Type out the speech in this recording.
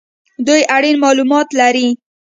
دوی اړین مالومات لري